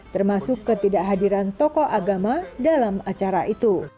termasuk ketidakhadiran tokoh agama dalam acara itu